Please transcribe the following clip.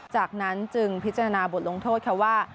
จากนั้นจึงพิจารณาบทลงโทษค่ะว่า